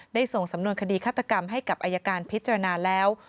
ส่งสำนวนคดีฆาตกรรมให้กับอายการพิจารณาแล้ว